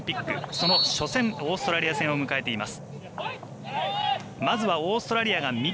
その初戦、オーストラリア戦を迎えています。